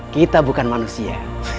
kita bukan manusia